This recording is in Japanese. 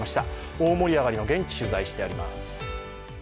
大盛り上がりの現地、取材してあります。